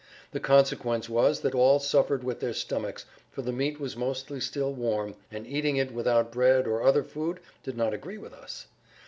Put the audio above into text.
The consequence was that all suffered with their stomachs, for the meat was mostly still warm, and eating it without bread or other food did not agree with us.